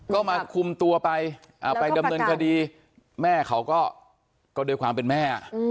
ก็มาคุมตัวไปไปดำเนินคดีแม่เขาก็ด้วยความเป็นแม่